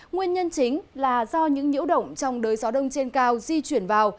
nguyên nhân chính là do những nhiễu động trong đới gió đông trên cao di chuyển vào